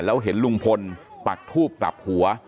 แล้วเห็นลุงพลปักทูบกลับหัว